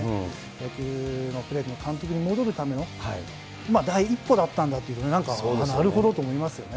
野球の、プロ野球の監督に戻るための第一歩だったんだっていうね、なるほどと思いますよね。